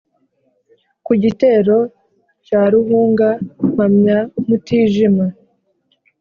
ku gitero cya ruhunga mpamya mutijima.